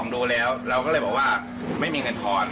ดูแล้วเราก็เลยบอกว่าไม่มีเงินทอน